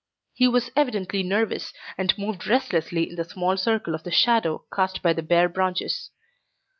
He was evidently nervous and moved restlessly in the small circle of the shadow cast by the bare branches.